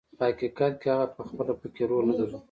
په حقیقت کې هغه پخپله پکې رول نه درلود.